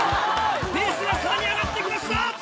ペースがさらに上がってきました。